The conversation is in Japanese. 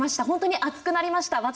本当に熱くなりました